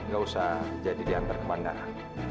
gak usah jadi diantar ke bandara